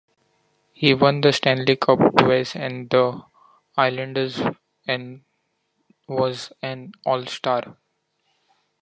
He won the Stanley Cup twice with the Islanders and was an All-Star.